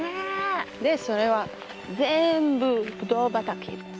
でそれは全部ぶどう畑です。